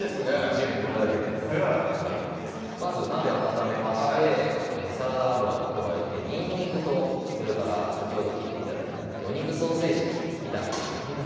準備これだけです早いまず鍋温めましてサラダ油を加えてにんにくとそれから先ほど切って頂いた魚肉ソーセージを炒めていきます